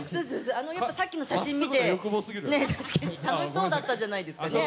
さっきの写真を見て、楽しそうだったじゃないですか。